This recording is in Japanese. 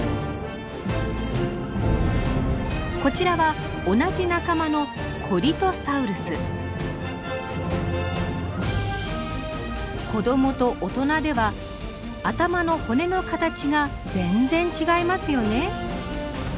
こちらは同じ仲間の子どもと大人では頭の骨の形が全然違いますよね。